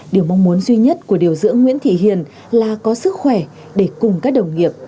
điều mong muốn duy nhất của điều dưỡng nguyễn thị hiền là có sức khỏe để cùng các đồng nghiệp